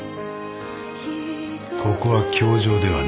ここは教場ではない。